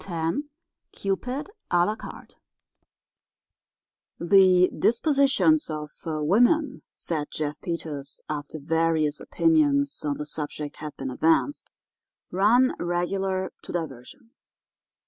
X CUPID À LA CARTE "The dispositions of woman," said Jeff Peters, after various opinions on the subject had been advanced, "run, regular, to diversions.